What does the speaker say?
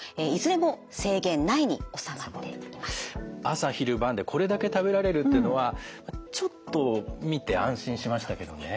朝昼晩でこれだけ食べられるというのはちょっと見て安心しましたけどね。